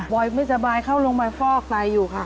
อยไม่สบายเข้าโรงพยาบาลฟอกไตอยู่ค่ะ